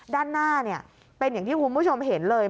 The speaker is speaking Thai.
ด้านหน้าเป็นอย่างที่คุณผู้ชมเห็นเลย